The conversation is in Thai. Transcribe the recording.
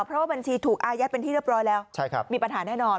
เพราะว่าบัญชีถูกอายัดเป็นที่เรียบร้อยแล้วมีปัญหาแน่นอน